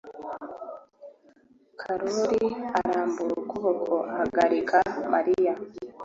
Karoli arambura ukuboko ahagarika Mariya.